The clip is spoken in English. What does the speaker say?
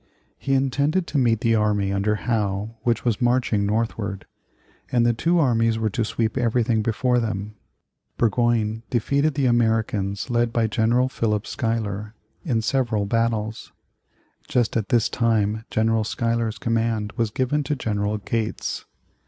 He intended to meet the army under Howe which was marching northward, and the two armies were to sweep everything before them. Burgoyne defeated the Americans led by General Philip Schuyler, in several battles. Just at this time General Schuyler's command was given to General Gates.